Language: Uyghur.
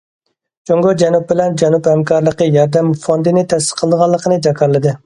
جۇڭگو جەنۇب بىلەن جەنۇب ھەمكارلىقى ياردەم فوندىنى تەسىس قىلىدىغانلىقىنى جاكارلىدى.